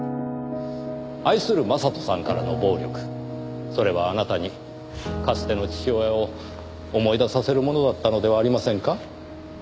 愛する将人さんからの暴力それはあなたにかつての父親を思い出させるものだったのではありませんか？